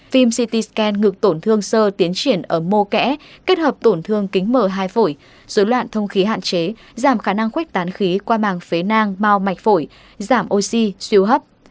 phim city scan ngược tổn thương sơ tiến triển ở mô kẽ kết hợp tổn thương kính m hai phổi dối loạn thông khí hạn chế giảm khả năng khuếch tán khí qua màng phế nang mau mạch phổi giảm oxy siêu hấp